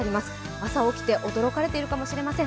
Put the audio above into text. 朝起きて、驚かれているかもしれません。